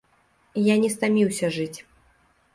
Я не стаміўся жыць.